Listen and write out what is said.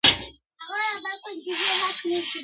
د ریا بازار یې بیا رونق پیدا کړ-